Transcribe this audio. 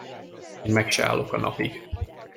Én meg se állok a napig!